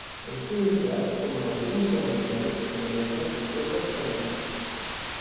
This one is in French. Elle fut le théâtre, pendant la Seconde Guerre mondiale, de la bataille de Guadalcanal.